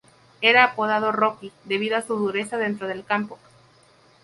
Era apodado "Rocky", debido a su dureza dentro del campo.